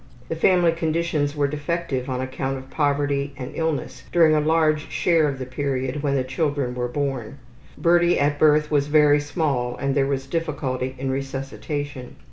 The family conditions were defective on account of poverty and illness during a large share of the period when the children were born. Birdie at birth was very small and there was difficulty in resuscitation.